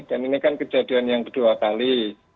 dan ini kan kejadian yang kedua kali